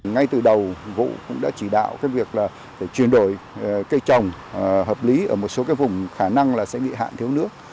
ngay từ đầu vụ cũng đã chỉ đạo cái việc là chuyển đổi cây trồng hợp lý ở một số cái vùng khả năng là sẽ bị hạn thiếu nước